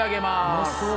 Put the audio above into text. うまそう。